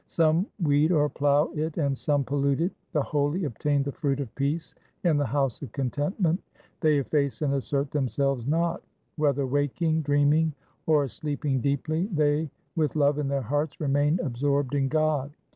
Some weed or plough it, and some pollute it. The holy obtain the fruit of peace in the house of contentment. They efface and assert them selves not. Whether waking, dreaming, or sleeping deeply, they with love in their hearts remain absorbed in God.